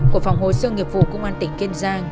của phòng hồ sơ nghiệp vụ công an tỉnh kiên giang